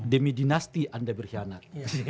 demi dinasti anda berkhianat